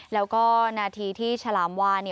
แล้วก็นาทีที่ฉลามวาน